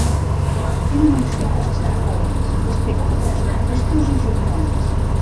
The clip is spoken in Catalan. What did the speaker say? Eren uns tipus escardalencs, d'aspecte rústec, pastors o jornalers